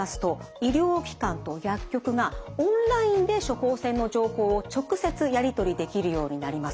医療機関と薬局がオンラインで処方箋の情報を直接やり取りできるようになります。